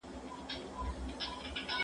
تا چي ول زما خبره به سمه وي